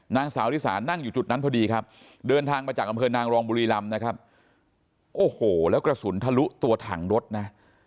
นางสาวริสานั่งอยู่จุดนั้นพอดีครับเดินทางมาจากอำเภอนางรองบุรีรำนะครับโอ้โหแล้วกระสุนทะลุตัวถังรถนะ